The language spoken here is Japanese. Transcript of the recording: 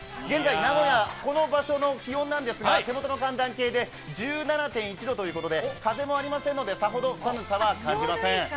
現在名古屋、この場所の気温ですが手元の寒暖計で、１７．１度ということで風もありませんのでさほど寒さは感じません。